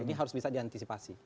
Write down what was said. ini harus bisa diantisipasi